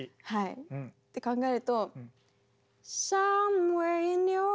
はい。って考えると。